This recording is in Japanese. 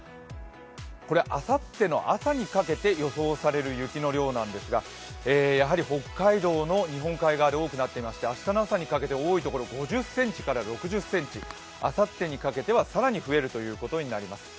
これ、あさっての朝にかけて予想される雪の量なんですがやはり北海道の日本海側で多くなっていまして明日の朝にかけて多いところで５０ｃｍから６０ｃｍあさってにかけては更に増えるということになります。